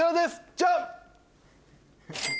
ジャン！